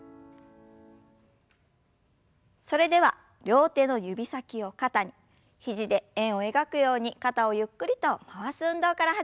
それでは両手の指先を肩に肘で円を描くように肩をゆっくりと回す運動から始めましょう。